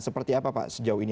seperti apa pak sejauh ini